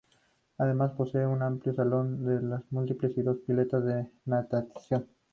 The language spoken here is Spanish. Además posee un amplio salón de usos múltiples y dos piletas de natación.